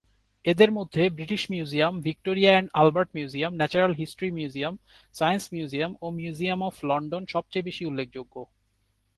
এদের মধ্যে British museum, Victoria and Albert museum, natural history museum, science museum ও museum of London সবচেয়ে বেশি উল্লেখযোগ্য।